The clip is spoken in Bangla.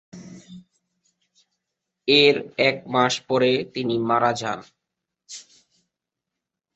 এর এক মাস পরে তিনি মারা যান।